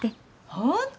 本当！